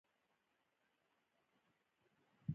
باختر اجان بیا له ظاهر شاه پاچا څخه د خبر خپرولو اجازه غواړي.